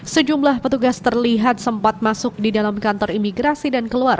sejumlah petugas terlihat sempat masuk di dalam kantor imigrasi dan keluar